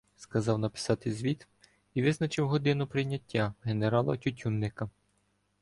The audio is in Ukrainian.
Сказав написати звіт і визначив годину прийняття в генерала Тютюнника.